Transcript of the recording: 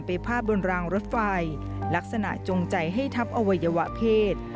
พาดบนรางรถไฟลักษณะจงใจให้ทับอวัยวะเพศ